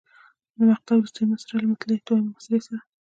د مقطع وروستۍ مصرع له مطلع دویمې مصرع سره.